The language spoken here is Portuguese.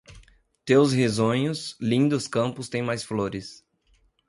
Teus risonhos, lindos campos têm mais flores